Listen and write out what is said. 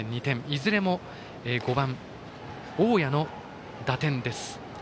いずれも５番、大矢の打点です。